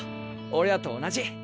俺らと同じ。